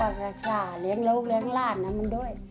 ป้ากราชาเลี้ยงลูกเลี้ยงอร้านอันนั้นด้วย